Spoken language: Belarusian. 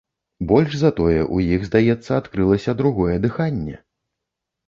Больш за тое, у іх, здаецца, адкрылася другое дыханне.